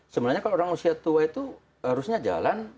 sebenarnya kalau orang usia tua itu harusnya jalan